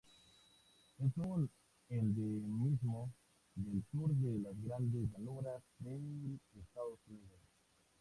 Es un endemismo del sur de las Grandes Llanuras del Estados Unidos.